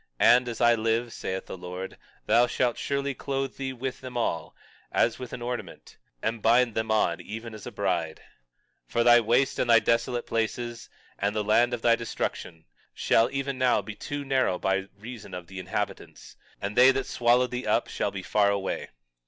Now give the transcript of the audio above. And as I live, saith the Lord, thou shalt surely clothe thee with them all, as with an ornament, and bind them on even as a bride. 21:19 For thy waste and thy desolate places, and the land of thy destruction, shall even now be too narrow by reason of the inhabitants; and they that swallowed thee up shall be far away.